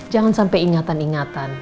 jangan sampai ingatan ingatan